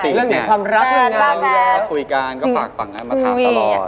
เรื่องของความรักเราแแล้วพอคุยกันก็ฝากฝ่ามาถามตลอด